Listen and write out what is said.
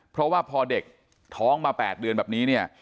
เพราะว่าพอเด็กท้องมา๘เดือนแบบนี้เนี่ย